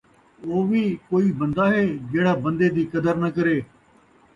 او وی کئی بندہ ہے جیڑھا بندے دی قدر نہ کرے